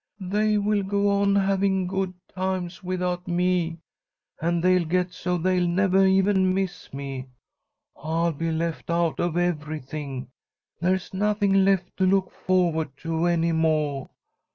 They will go on having good times without me, and they'll get so they'll nevah even miss me. I'll be left out of everything. There's nothing left to look forward to any moah.